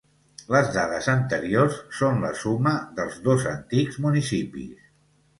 Les dades anteriors són la suma dels dos antics municipis.